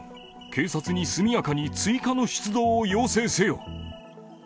警察に速やかに追加の出動を要請せよ。